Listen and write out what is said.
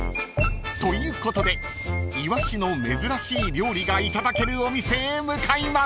［ということでイワシの珍しい料理がいただけるお店へ向かいます］